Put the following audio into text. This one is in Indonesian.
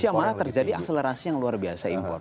di indonesia malah terjadi akselerasi yang luar biasa impor